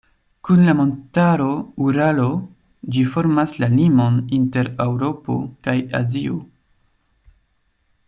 Kun la montaro Uralo ĝi formas la limon inter Eŭropo kaj Azio.